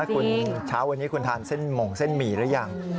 คุณเช้าวันนี้คุณทานเส้นหม่งเส้นหมี่หรือยัง